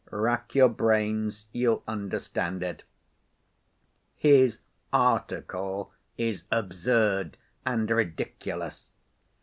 Rack your brains—you'll understand it. His article is absurd and ridiculous.